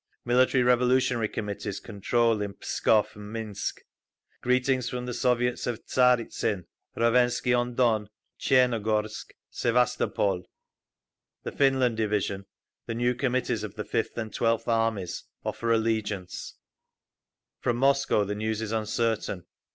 Military Revolutionary Committees control in Pskov and Minsk. Greetings from the Soviets of Tsaritzin, Rovensky on Don, Tchernogorsk, Sevastopol…. The Finland Division, the new Committees of the Fifth and Twelfth Armies, offer allegiance…. From Moscow the news is uncertain.